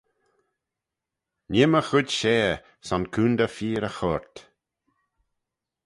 Nee'm y chooid share, son coontey feer y choyrt.